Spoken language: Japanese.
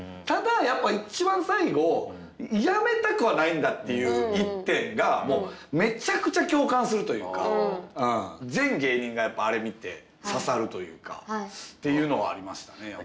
ただやっぱ一番最後やめたくはないんだっていう一点がめちゃくちゃ共感するというか全芸人がやっぱあれ見て刺さるというかっていうのはありましたね。